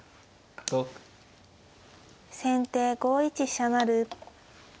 先手５一飛車成。